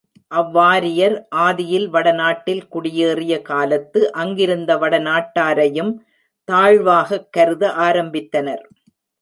அவ்வாரியர் ஆதியில் வட நாட்டில் குடியேறிய காலத்து அங்கிருந்த வட நாட்டாரையும் தாழ்வாகக் கருத ஆரம்பித்தனர்.